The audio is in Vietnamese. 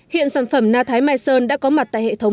hiện sản phẩm na thái mai sơn đã có mặt tại hệ thống